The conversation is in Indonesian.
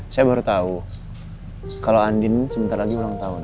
saya baru tahu kalau andin sebentar lagi ulang tahun